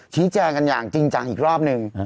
ชี้แจงกันอย่างจริงจังอีกรอบหนึ่ง